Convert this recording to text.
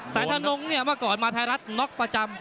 แสนธนงค์เนี่ยมาก่อนมาไทยรัฐน็อคประจำ